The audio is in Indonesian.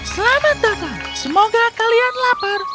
selamat datang semoga kalian lapar